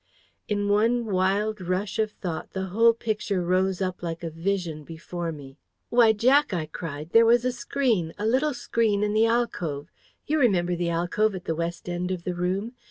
In one wild rush of thought the whole picture rose up like a vision before me. "Why, Jack," I cried, "there was a screen, a little screen in the alcove! You remember the alcove at the west end of the room.